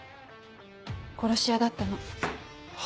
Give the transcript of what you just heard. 殺し屋だったの。は？